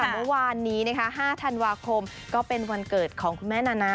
เมื่อวานนี้๕ธันวาคมก็เป็นวันเกิดของคุณแม่นานา